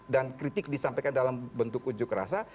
dan kritik disampaikan dalam bentuk ujuk rasa